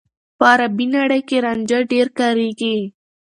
په عربي نړۍ کې رانجه ډېر کارېږي.